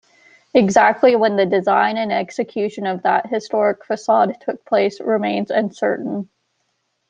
Exactly when the design and execution of that historic facade took place remains uncertain.